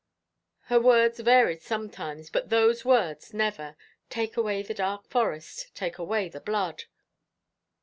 Her words varied sometimes, but those words never: 'Take away the dark forest take away the blood!'"